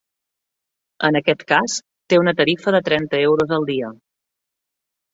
En aquest cas, té una tarifa de trenta euros al dia.